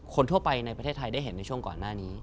คนทั่วไปในประเทศไทยได้เห็นในช่วงก่อนหน้านี้